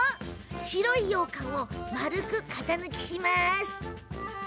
白いようかんを丸く型抜きします。